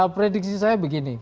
prediksi saya begini